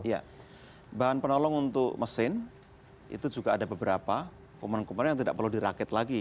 iya bahan penolong untuk mesin itu juga ada beberapa komponen komponen yang tidak perlu dirakit lagi